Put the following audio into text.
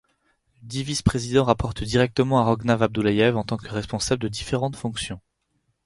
Dix vice-présidents rapportent directement à Rovnag Abdoullayev en tant que responsable de différentes fonctions.